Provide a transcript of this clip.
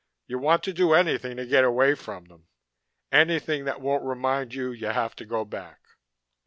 You want to do anything to get away from them anything that won't remind you you have to go back."